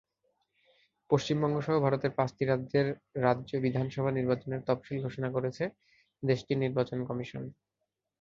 পশ্চিমবঙ্গসহ ভারতের পাঁচটি রাজ্যের রাজ্য বিধানসভা নির্বাচনের তফসিল ঘোষণা করেছে দেশটির নির্বাচন কমিশন।